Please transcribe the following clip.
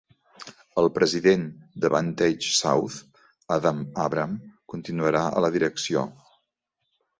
El president de VantageSouth, Adam Abram, continuarà a la direcció.